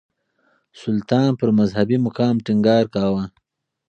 سلطان پر مذهبي مقام ټينګار کاوه.